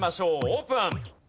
オープン。